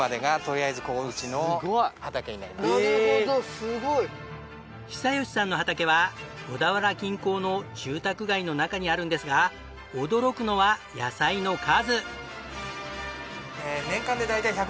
すごい！久喜さんの畑は小田原近郊の住宅街の中にあるんですが驚くのは野菜の数。